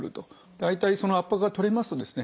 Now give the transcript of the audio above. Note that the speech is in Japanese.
大体その圧迫がとれますとですね